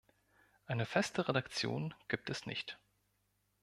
Eine feste Redaktion gibt es nicht.